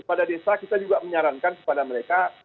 kepada desa kita juga menyarankan kepada mereka